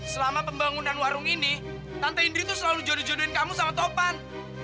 selama pembangunan warung ini tante indri itu selalu jodoh jodohin kamu sama topan